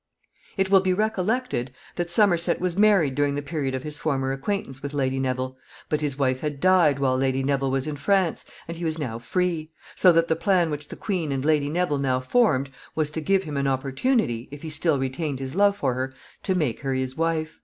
] It will be recollected that Somerset was married during the period of his former acquaintance with Lady Neville, but his wife had died while Lady Neville was in France, and he was now free; so that the plan which the queen and Lady Neville now formed was to give him an opportunity, if he still retained his love for her, to make her his wife.